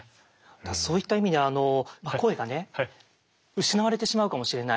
そういった意味で声がね失われてしまうかもしれない。